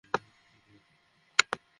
হোটেলের ঐ লোকটা কে ছিল তোমার কোনো ধারণা আছে?